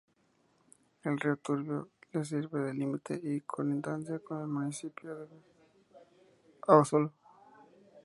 El río Turbio le sirve de límite y colindancia con el municipio de Abasolo.